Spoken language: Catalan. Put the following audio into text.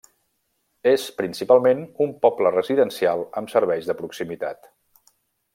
És principalment un poble residencial amb serveis de proximitat.